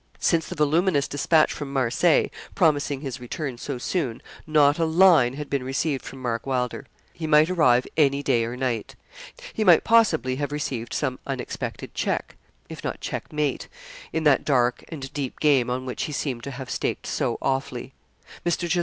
Since the voluminous despatch from Marseilles, promising his return so soon, not a line had been received from Mark Wylder. He might arrive any day or night. He might possibly have received some unexpected check if not checkmate, in that dark and deep game on which he seemed to have staked so awfully. Mr. Jos.